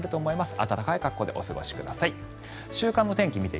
暖かい格好でお過ごしください。